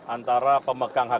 antara pemegang hgu